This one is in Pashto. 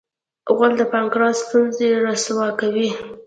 غول د پانقراس ستونزې رسوا کوي.